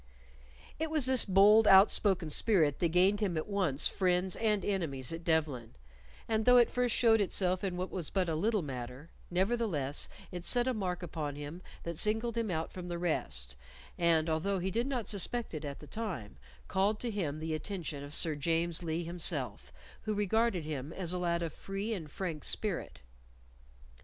It was this bold, outspoken spirit that gained him at once friends and enemies at Devlen, and though it first showed itself in what was but a little matter, nevertheless it set a mark upon him that singled him out from the rest, and, although he did not suspect it at the time, called to him the attention of Sir James Lee himself, who regarded him as a lad of free and frank spirit.